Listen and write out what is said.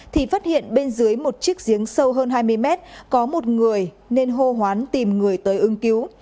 thì phát hiện bên dưới một chiếc giếng sâu hơn hai mươi mét có một người nên hô hoán tìm người tới ưng cứu